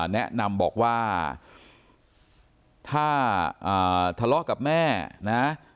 แนะนำบอกว่าถ้าทะเลาะกับแม่นะ